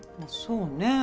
そうね。